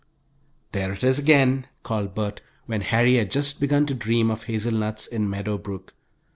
"There it is again," called Bert, when Harry had just begun to dream of hazelnuts in Meadow Brook.